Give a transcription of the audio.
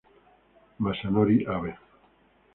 Masanori Abe